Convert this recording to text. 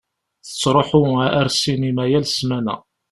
Tettṛuḥu ar ssinima yal ssmana.